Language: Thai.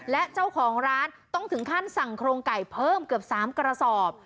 และเจ้าของร้านต้องถึงขั้นสั่งโครงไก่เพิ่มเกือบ๓กระสอบ